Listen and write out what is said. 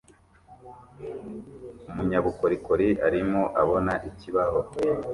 Umunyabukorikori arimo abona ikibaho